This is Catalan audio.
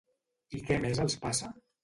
I què més els passa?